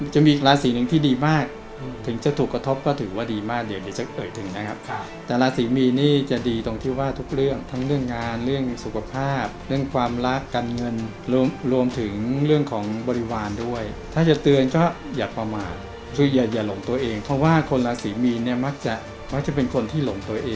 จะมีอีกราศีหนึ่งที่ดีมากถึงจะถูกกระทบก็ถือว่าดีมากเดี๋ยวดิฉันเอ่ยถึงนะครับแต่ราศีมีนนี่จะดีตรงที่ว่าทุกเรื่องทั้งเรื่องงานเรื่องสุขภาพเรื่องความรักการเงินรวมถึงเรื่องของบริวารด้วยถ้าจะเตือนก็อย่าประมาทคืออย่าหลงตัวเองเพราะว่าคนราศีมีนเนี่ยมักจะมักจะเป็นคนที่หลงตัวเอง